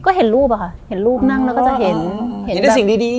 ก็เห็นรูปอะค่ะเห็นรูปนั่งแล้วก็จะเห็นเห็นแต่สิ่งดี